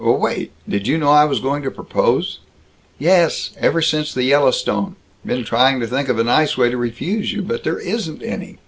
"W wait! D did you know I was going to propose?" "Yes. Ever since the Yellowstone. Been trying to think of a nice way to refuse you. But there isn't any.